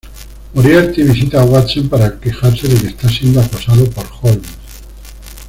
Moriarty visita a Watson para quejarse de que está siendo acosado por Holmes.